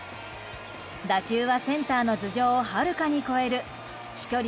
打球はセンターの頭上をはるかに越える飛距離